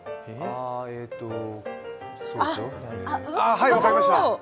はい、分かりました。